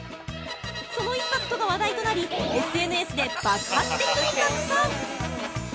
そのインパクトが話題となりＳＮＳで爆発的に拡散！